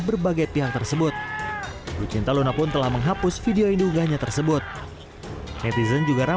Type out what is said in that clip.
berbagai pihak tersebut lucinta luna pun telah menghapus video induganya tersebut netizen juga